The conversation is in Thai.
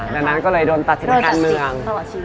ดังนั้นก็เลยโดนตัดสินทางการเมือง